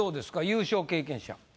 優勝経験者。